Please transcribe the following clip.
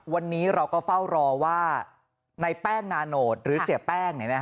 วันนี้เราก็เฝ้ารอว่าในแป้งนาโนตหรือเสียแป้ง